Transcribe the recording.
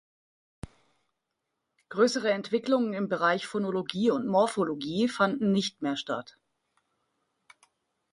Größere Entwicklungen im Bereich Phonologie und Morphologie fanden nicht mehr statt.